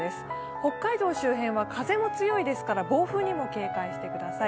北海道周辺は風も強いですから暴風にも警戒してください。